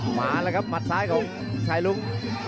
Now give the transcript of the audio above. มาแล้วครับหมัดซ้ายของชายลุง